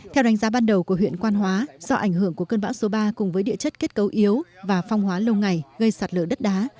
theo đánh giá ban đầu của huyện quan hóa do ảnh hưởng của cơn bão số ba cùng với địa chất kết cấu yếu và phong hóa lâu ngày gây sạt lở đất đá